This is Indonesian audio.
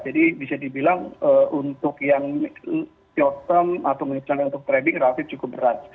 jadi bisa dibilang untuk yang short term atau menurut saya untuk trading relatif cukup berat